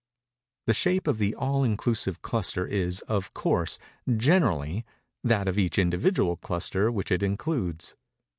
The shape of the all inclusive cluster is, of course generally, that of each individual cluster which it includes.